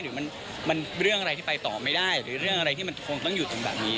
หรือมันเรื่องอะไรที่ไปต่อไม่ได้หรือเรื่องอะไรที่มันคงต้องอยู่ตรงแบบนี้